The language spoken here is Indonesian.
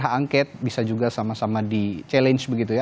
hak angket bisa juga sama sama di challenge begitu ya